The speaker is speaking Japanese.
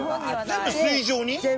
全部水上に。